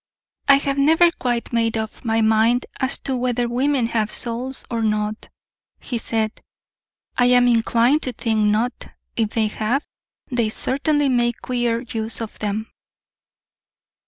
"I have never quite made up my mind as to whether women have souls or not," he said. "I am inclined to think not; if they have, they certainly make queer use of them."